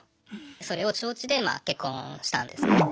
それを承知でまあ結婚したんですね。